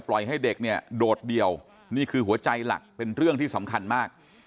ให้เด็กเนี่ยโดดเดี่ยวนี่คือหัวใจหลักเป็นเรื่องที่สำคัญมาก